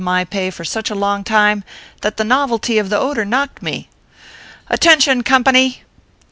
327 my pay for such a long time, that the novelty of the odor knocked me. Attention, company